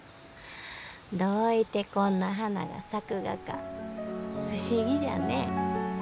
どういてこんな花が咲くがか不思議じゃね。